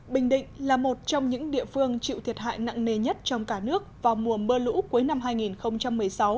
bình định là một trong những địa phương chịu thiệt hại nặng nề nhất trong cả nước vào mùa mưa lũ cuối năm hai nghìn một mươi sáu